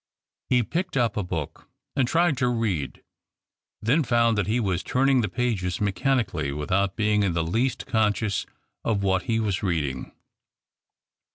He picked up a book and tried to read — then found that he was turning the pages mechanic ally, without being in the least conscious of w^hat he was reading.